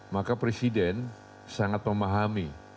maka presiden sangat memahami